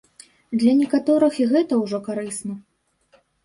Для некаторых і гэта ўжо карысна.